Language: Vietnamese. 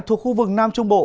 thuộc khu vực nam trung bộ